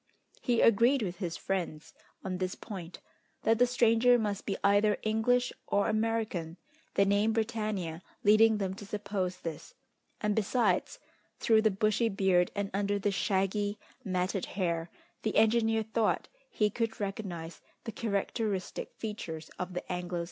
He agreed with his friends on this point, that the stranger must be either English or American, the name Britannia leading them to suppose this, and, besides, through the bushy beard, and under the shaggy, matted hair, the engineer thought he could recognise the characteristic features of the Anglo Saxon.